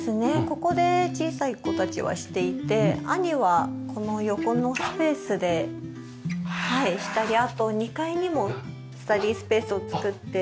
ここで小さい子たちはしていて兄はこの横のスペースでしたりあと２階にもスタディースペースを作って。